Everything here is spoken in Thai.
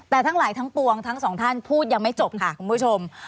แต่ทั้งหลายทั้งปวงทั้งสองท่านพูดยังไม่จบค่ะคุณผู้ชม